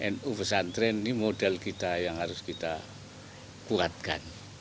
nu pesantren ini modal kita yang harus kita kuatkan